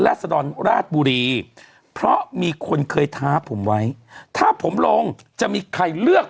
สดรราชบุรีเพราะมีคนเคยท้าผมไว้ถ้าผมลงจะมีใครเลือก